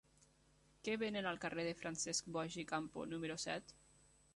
Què venen al carrer de Francesc Boix i Campo número set?